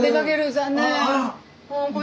残念。